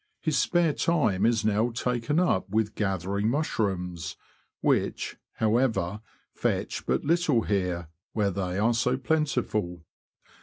His spare time is now taken up with gather ing mushrooms, w^hich, however, fetch but Httle here, where they are so plentiful.